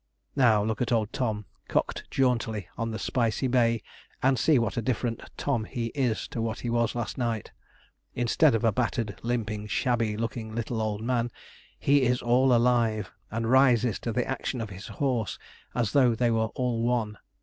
Now look at old Tom, cocked jauntily on the spicey bay and see what a different Tom he is to what he was last night. Instead of a battered, limping, shabby looking little old man, he is all alive and rises to the action of his horse, as though they were all one.